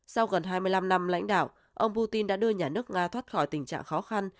sau gần hai mươi năm năm lãnh đạo ông putin đã đưa nhà nước nga thoát khỏi tình trạng khó khăn